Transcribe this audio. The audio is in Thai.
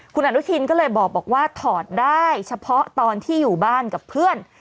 คุณอนุทินก็เลยบอกว่าถอดได้เฉพาะตอนที่อยู่บ้านกับเพื่อน